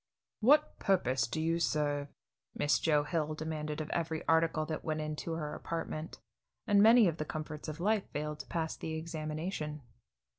"What purpose do you serve?" Miss Joe Hill demanded of every article that went into her apartment, and many of the comforts of life failed to pass the examination.